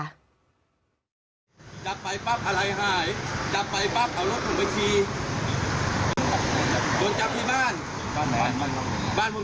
อันนี้คือความชอบของผมผมชอบสร้าง